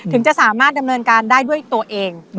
ถึงจะสามารถดำเนินการได้ด้วยตัวเอง